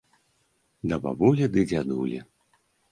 Да бабулі ды дзядулі.